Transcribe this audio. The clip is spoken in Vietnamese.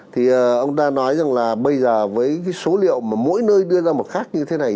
thì ông đã nói rằng là bây giờ với cái số liệu mà mỗi nơi đưa ra một khác như thế này